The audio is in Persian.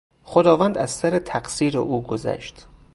خداوند از سر تقصیر او گذشت.